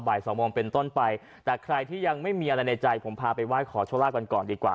บ่ายสองมองเป็นต้นไปแต่ใครที่ยังไม่มีอะไรในใจผมพาไปว่าขอชะลาก่อนก่อนดีกว่า